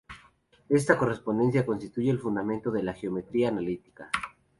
Esta correspondencia constituye el fundamento de la geometría analítica.